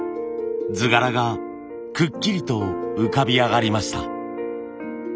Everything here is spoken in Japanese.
図柄がくっきりと浮かび上がりました。